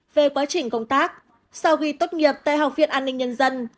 về quá trình công tác sau khi tốt nghiệp tại học viện an ninh nhân dân